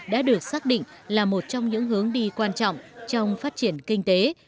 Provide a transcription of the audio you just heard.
đã được xác định là một trong những hướng đi quan trọng trong phát triển kinh tế